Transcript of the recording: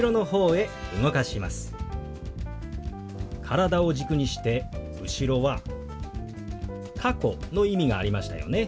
体を軸にして後ろは「過去」の意味がありましたよね。